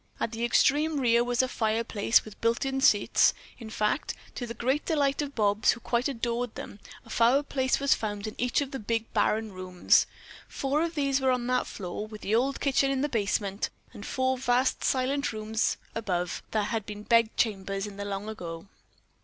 At the extreme rear was a fireplace with built in seats. In fact, to the great delight of Bobs, who quite adored them, a fireplace was found in each of the big barren rooms. Four of these were on that floor, with the old kitchen in the basement, and four vast silent rooms above, that had been bed chambers in the long ago.